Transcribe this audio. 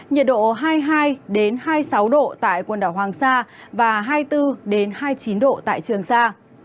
nhiệt độ hai mươi hai hai mươi sáu độ tại quần đảo hoàng sa và hai mươi bốn hai mươi chín độ tại trường sa